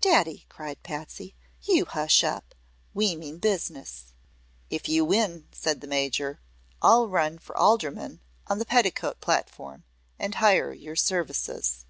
"Daddy," cried Patsy, "you hush up. We mean business." "If you win," said the Major, "I'll run for alderman on a petticoat platform, and hire your services."